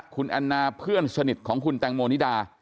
คุณแอนนาเพื่อนสนิทของคุณแตงโมนิดา